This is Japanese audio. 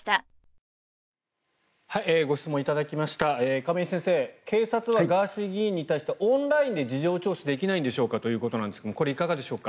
亀井先生、警察はガーシー議員に対してオンラインで事情聴取できないんですか？ということですがこれはいかがでしょうか。